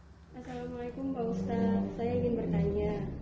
saya ingin bertanya